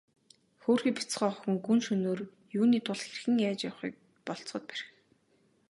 Хөөрхий бяцхан охин гүн шөнөөр юуны тул хэрхэн яаж явахыг болзоход бэрх.